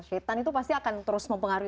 shitan itu pasti akan terus mempengaruhi